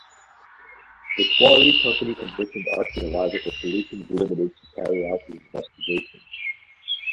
The quarry company commissioned Archaeological Solutions Ltd to carry out the investigation.